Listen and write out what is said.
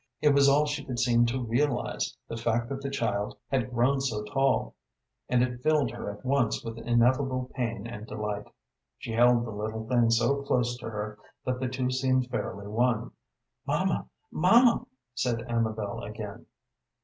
It was all she could seem to realize the fact that the child had grown so tall and it filled her at once with ineffable pain and delight. She held the little thing so close to her that the two seemed fairly one. "Mamma, mamma!" said Amabel again.